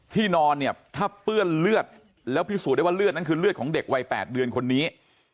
นอนเนี่ยถ้าเปื้อนเลือดแล้วพิสูจน์ได้ว่าเลือดนั้นคือเลือดของเด็กวัย๘เดือนคนนี้